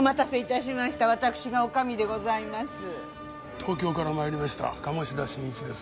東京から参りました鴨志田新一です。